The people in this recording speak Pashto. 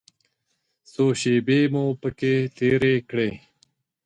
څو شېبې مو پکې تېرې کړې.